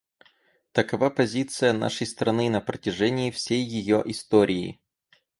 Такова позиция нашей страны на протяжении всей ее истории.